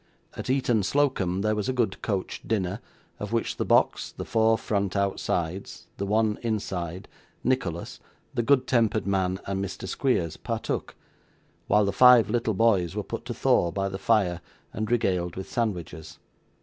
At Eton Slocomb there was a good coach dinner, of which the box, the four front outsides, the one inside, Nicholas, the good tempered man, and Mr. Squeers, partook; while the five little boys were put to thaw by the fire, and regaled with sandwiches.